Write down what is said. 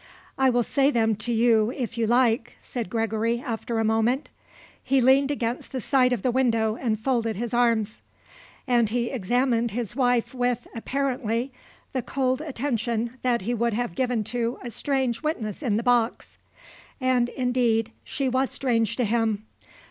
"I will say them to you if you like," said Gregory, after a moment. He leaned against the side of the window and folded his arms. And he examined his wife with, apparently, the cold attention that he would have given to a strange witness in the box. And indeed she was strange to him.